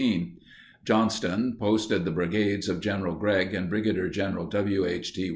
Johnston posted the brigades of General Gregg and Brig. Gen. W. H. T.